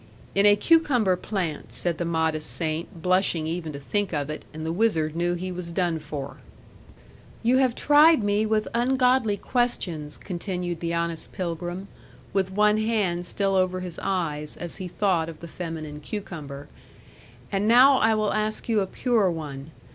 'In a cucumber plant,' said the modest saint; blushing even to think of it; and the wizard knew he was done for. 'You have tried me with ungodly questions,' continued the honest pilgrim, with one hand still over his eyes, as he thought of the feminine cucumber; 'and now I will ask you a pure one.